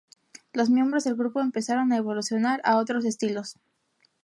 Los miembros del grupo empezaron a evolucionar a otros estilos.